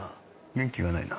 元気がないな。